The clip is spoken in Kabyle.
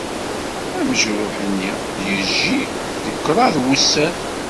Amejruḥ-nni yejji deg kraḍ wussan.